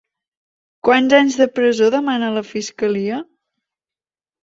Quants anys de presó demana la fiscalia?